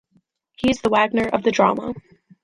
He is the Wagner of the drama.